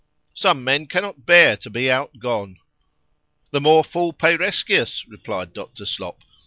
Some men cannot bear to be out gone. The more fool Peireskius, replied Dr. _Slop.